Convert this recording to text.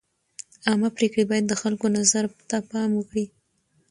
عامه پرېکړې باید د خلکو نظر ته پام وکړي.